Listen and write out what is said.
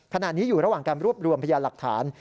ถนัดนี้อยู่ระหว่างร่วมรวมหพยาหลักฐาน